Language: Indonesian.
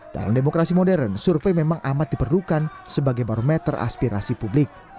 dalam demokrasi modern survei memang amat diperlukan sebagai barometer aspirasi publik